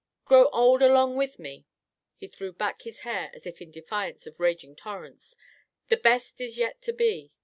'Grow old along with me,'" he threw back his hair as if in defiance of raging torrents, "'The best is yet to be.